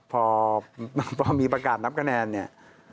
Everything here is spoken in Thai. พอมีประกาศนับคะแนนเนี่ย